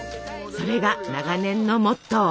それが長年のモットー。